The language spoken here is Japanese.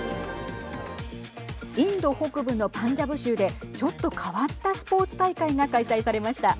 インド北部のパンジャブ州でちょっと変わったスポーツ大会が開催されました。